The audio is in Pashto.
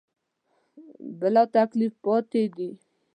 بلاتکلیف پاتې دي.